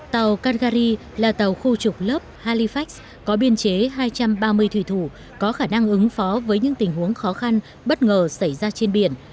tàu caly là tàu khu trục lớp halifax có biên chế hai trăm ba mươi thủy thủ có khả năng ứng phó với những tình huống khó khăn bất ngờ xảy ra trên biển